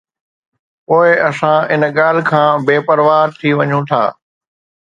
پوءِ اسان ان ڳالهه کان به بي پرواهه ٿي وڃون ٿا